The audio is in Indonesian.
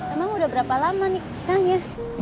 emang udah berapa lama nih nangis